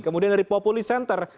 kemudian dari populi center